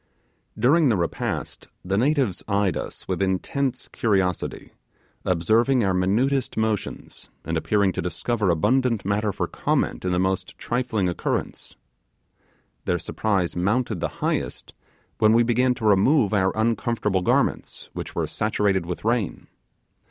During the repast, the natives eyed us with intense curiosity, observing our minutest motions, and appearing to discover abundant matter for comment in the most trifling occurrence. Their surprise mounted the highest, when we began to remove our uncomfortable garments, which were saturated with rain.